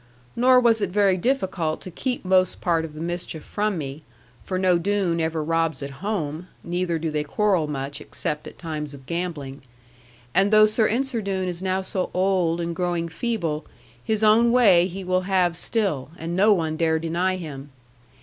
Nor was it very difficult to keep most part of the mischief from me, for no Doone ever robs at home, neither do they quarrel much, except at times of gambling. And though Sir Ensor Doone is now so old and growing feeble, his own way he will have still, and no one dare deny him.